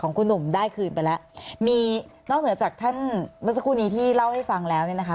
คุณหนุ่มได้คืนไปแล้วมีนอกเหนือจากท่านเมื่อสักครู่นี้ที่เล่าให้ฟังแล้วเนี่ยนะคะ